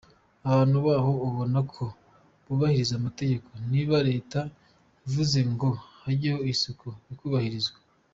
Abantu baho ubona ko bubahiriza amategeko, niba leta ivuze ngo hajyeho isuku bikubahirizwa.